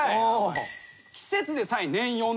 季節でさえ年４です。